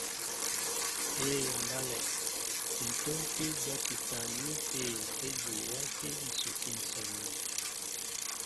Éē mbálɛ, ǹ tómpí dɔ́kita ní tê ejí e wátí ǹsukí ǹsɔǹɔ.